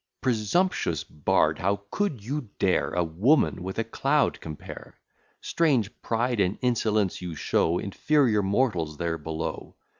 "] Presumptuous bard! how could you dare A woman with a cloud compare? Strange pride and insolence you show Inferior mortals there below.